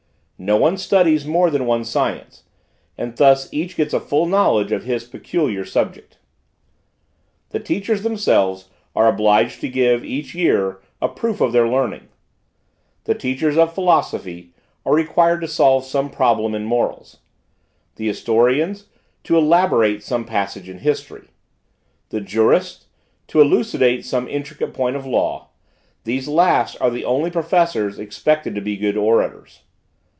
No one studies more than one science, and thus each gets a full knowledge of his peculiar subject. The teachers themselves are obliged to give, each year, a proof of their learning. The teachers of philosophy are required to solve some problem in morals; the historians, to elaborate some passage in history; the jurists, to elucidate some intricate point of law; these last are the only professors expected to be good orators.